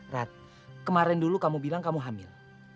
rat kemarin dulu kamu bilang kamu hamil